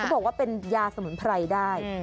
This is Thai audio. บอกว่าเป็นยาสมุนไพรได้